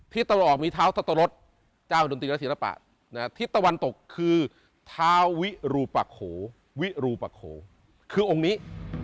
ทิศตะวันออกมีเท้าทะตะลดเจ้าดนตรีและศิรปะทิศตะวันตกคือเท้าวิรุปโขคือองค์นี้